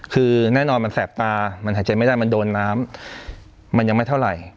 คือแน่นอนมันแสบตามันหายใจไม่ได้มันโดนน้ำมันยังไม่เท่าไหร่